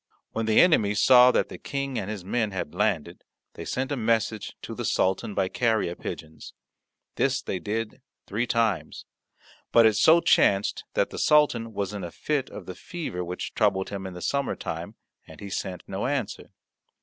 When the enemy saw that the King and his men had landed, they sent a message to the Sultan by carrier pigeons; this they did three times. But it so chanced that the Sultan was in a fit of the fever which troubled him in the summer time, and he sent no answer.